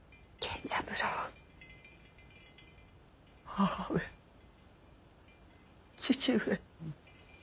母上父上。